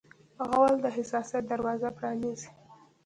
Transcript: غول د حساسیت دروازه پرانیزي.